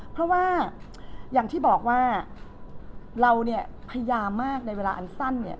เพราะว่าอย่างที่บอกว่าเราพยายามมากในเวลาอันสั้น